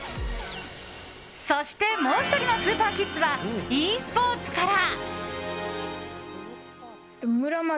そしてもう１人のスーパーキッズはｅスポーツから。